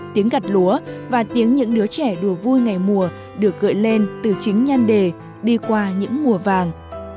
tiếng gặt lúa và tiếng những đứa trẻ đùa vui ngày mùa được gợi lên từ chính nhăn đề đi qua những mùa vàng